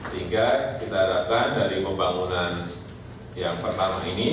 sehingga kita harapkan dari pembangunan yang pertama ini